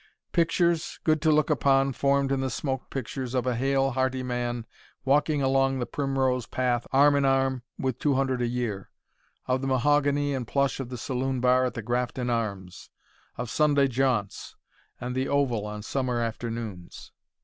Pictures, good to look upon, formed in the smoke pictures of a hale, hearty man walking along the primrose path arm in arm with two hundred a year; of the mahogany and plush of the saloon bar at the Grafton Arms; of Sunday jaunts, and the Oval on summer afternoons.